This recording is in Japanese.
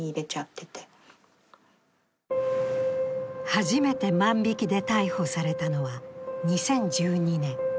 初めて万引きで逮捕されたのは２０１２年。